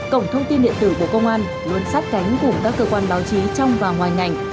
cổng thông tin điện tử của công an luôn sát cánh cùng các cơ quan báo chí trong và ngoài ngành